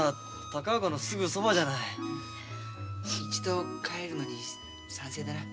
一度帰るのに賛成だな。